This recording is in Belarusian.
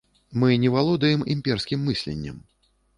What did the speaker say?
Мы не валодаем імперскім мысленнем.